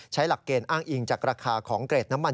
หลักเกณฑ์อ้างอิงจากราคาของเกรดน้ำมัน